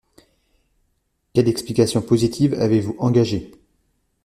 Quelle explication positive avez-vous engagée?